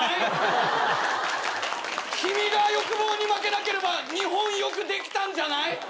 君が欲望に負けなければ日本よくできたんじゃない？